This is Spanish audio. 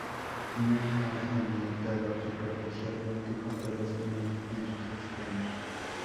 Tienen un margen dentado superficialmente, con pelos finos en sus extremos.